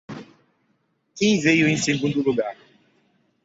Quem veio em segundo lugar?